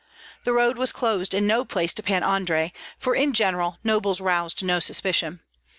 The road was closed in no place to Pan Andrei, for in general nobles roused no suspicion.